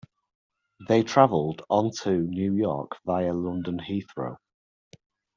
They travelled on to New York via London Heathrow